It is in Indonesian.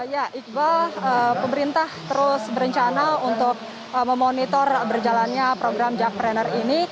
ya iqbal pemerintah terus berencana untuk memonitor berjalannya program jakpreneur ini